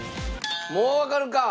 もうわかるか？